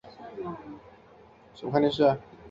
他是塞内加尔的第三任总统。